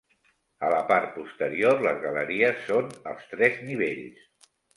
A la part posterior, les galeries són als tres nivells.